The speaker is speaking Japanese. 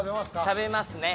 食べますね。